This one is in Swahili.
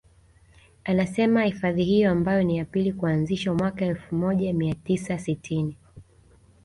Anasema hifadhi hiyo ambayo ni ya pili kuanzishwa mwaka elfu moja mia tisa sitini